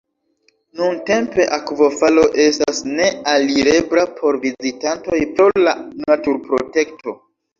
Nuntempe akvofalo estas ne alirebla por vizitantoj pro la naturprotekto.